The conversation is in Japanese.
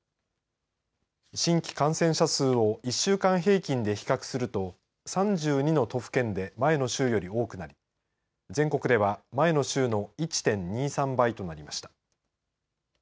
新規感染者数を１週間平均で比較すると３２の都府県で前の週より多くなり全国では前の週の１．２３倍となりました。